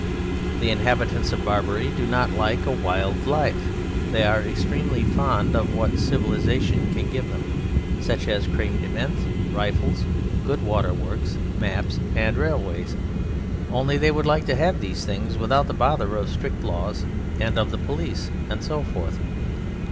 The inhabitants of Barbary do not like a wild life, they are extremely fond of what civilization can give them, such as crème de menthe, rifles, good waterworks, maps, and railways: only they would like to have these things without the bother of strict laws and of the police, and so forth.